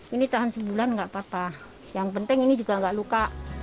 ini tahan sebulan nggak apa apa yang penting ini juga nggak luka